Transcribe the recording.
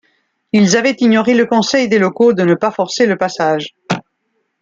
Ils avaient ignoré le conseil des locaux de ne pas forcer le passage.